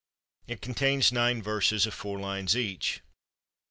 It contains nine verses of four lines each.